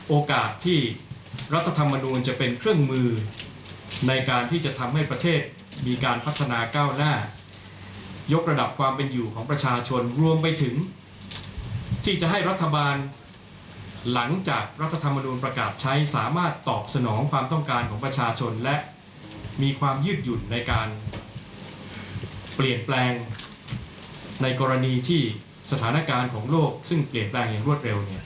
โอกาสที่รัฐธรรมนูลจะเป็นเครื่องมือในการที่จะทำให้ประเทศมีการพัฒนาก้าวหน้ายกระดับความเป็นอยู่ของประชาชนรวมไปถึงที่จะให้รัฐบาลหลังจากรัฐธรรมนูลประกาศใช้สามารถตอบสนองความต้องการของประชาชนและมีความยืดหยุ่นในการเปลี่ยนแปลงในกรณีที่สถานการณ์ของโลกซึ่งเปลี่ยนแปลงอย่างรวดเร็ว